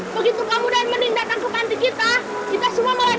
begitu kamu dan bening datang ke panti kita kita semua malah diusir